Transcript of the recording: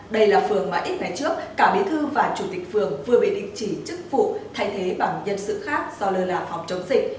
đây là phường mà ít ngày trước cả bí thư và chủ tịch phường vừa bị đình chỉ chức vụ thay thế bằng nhân sự khác do lơ là phòng chống dịch